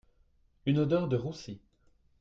Une odeur de roussi